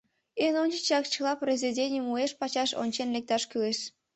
Эн ончычак чыла произведенийым уэш-пачаш ончен-лекташ кӱлеш.